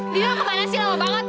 lino kemana sih lama banget